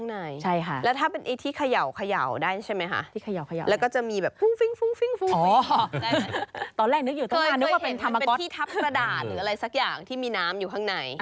นาฬิกาซ้ายต้องแบบที่มีน้ำข้างใน